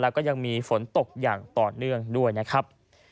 แล้วก็ยังมีฝนตกอย่างต่อเนื่องด้วยนะครับ